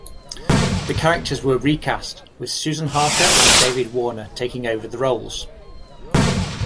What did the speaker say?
The characters were recast, with Susannah Harker and David Warner taking over the roles.